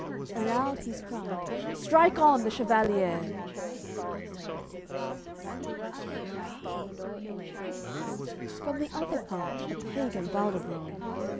Aloud he's cried: "Strike on, the chevaliers!" AOI. CXVI From the other part a pagan Valdabron.